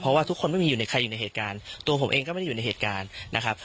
เพราะว่าทุกคนไม่มีอยู่ในใครอยู่ในเหตุการณ์ตัวผมเองก็ไม่ได้อยู่ในเหตุการณ์นะครับ